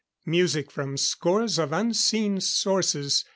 Music from scores of unseen sources.